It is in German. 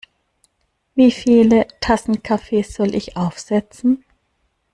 Wie viele Tassen Kaffee soll ich aufsetzen?